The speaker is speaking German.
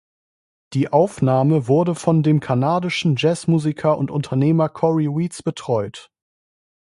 Die Aufnahme wurde von dem kanadischen Jazzmusiker und Unternehmer Cory Weeds betreut.